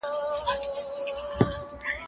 ته ولي سينه سپين کوې،